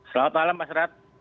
selamat malam mas rehat